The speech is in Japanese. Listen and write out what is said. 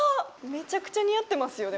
めちゃくちゃ似合ってますよ。